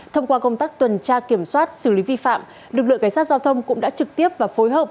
thông qua công tác tuần tra kiểm soát xử lý vi phạm lực lượng cảnh sát giao thông cũng đã trực tiếp và phối hợp